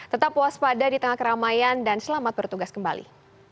tetap puas pada di tengah keramaian dan selamat bertugas kembali